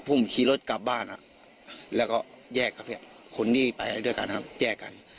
ผมขี่รถกลับบ้านแล้วก็แยกกับคนที่ไปด้วยกันครับแยกกัน